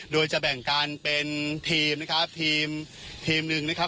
โดยจะแบ่งกันเป็นทีมนะครับ